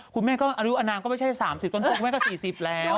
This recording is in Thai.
คุณแม่ยูอานามไม่ใช่๓๐จนถางทา๔๐แล้ว